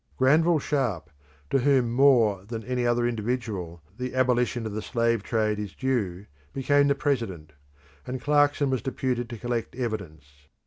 Granville Sharp, to whom more than to any other individual the abolition of the slave trade is due, became the president, and Clarkson was deputed to collect evidence.